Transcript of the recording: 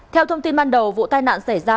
theo thông tin ban đầu vụ tai nạn xảy ra